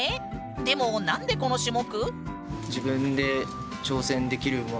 でも何でこの種目？